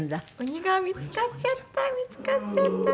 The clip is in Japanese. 鬼が見付かっちゃった見付かっちゃった。